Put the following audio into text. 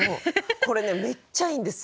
これねめっちゃいいんですよ